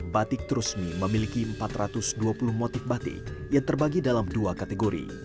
batik trusmi memiliki empat ratus dua puluh motif batik yang terbagi dalam dua kategori